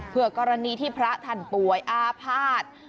เพื่อกรณีที่พระท่านป่วยอาภาษณ์